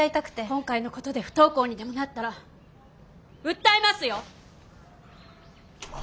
今回の事で不登校にでもなったら訴えますよ！